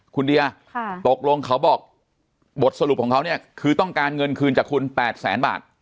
คุณเดียตกลงเขาบอกบทสรุปของเขาเนี่ยคือต้องการเงินคืนจากคุณ๘แสนบาท